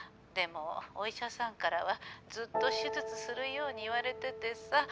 でもお医者さんからはずっと手術するように言われててさ。